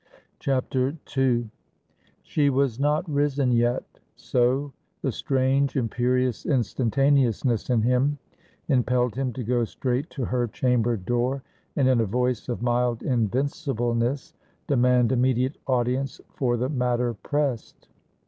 II. She was not risen yet. So, the strange imperious instantaneousness in him, impelled him to go straight to her chamber door, and in a voice of mild invincibleness, demand immediate audience, for the matter pressed.